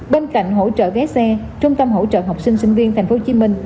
bên cạnh hỗ trợ vé xe trung tâm hỗ trợ học sinh sinh viên tp hcm